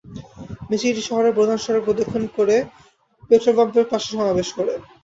মিছিলটি শহরের প্রধান প্রধান সড়ক প্রদক্ষিণ শেষে পেট্রল পাম্পের পাশে সমাবেশ করে।